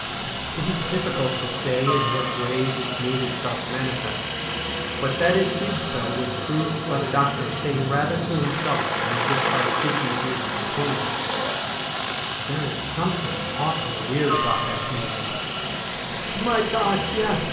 It is difficult to say in what way this THE PIPER OF CULLODEN 61 made itself manifest, but that it did so was proved by the doctor saying rather to himself than as if speaking to his companion :' There is something awfully weird about that music' ' My God, yes